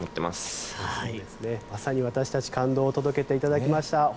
まさに私たちに感動を届けていただきました。